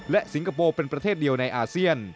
สิงคโปร์เป็นประเทศเดียวในอาเซียน